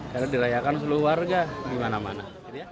karena dirayakan seluruh warga di mana mana